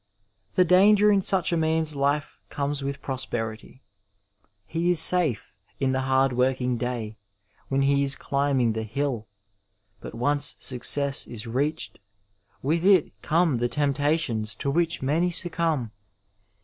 The danger in such a man's life comes with prosperity. He is safe in the hard working day, when he is climbing the hill, but once success is reached, with it come the temptations to which many succumb.